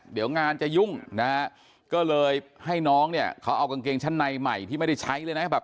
เดี๋ยวงานจะยุ่งนะฮะก็เลยให้น้องเนี่ยเขาเอากางเกงชั้นในใหม่ที่ไม่ได้ใช้เลยนะแบบ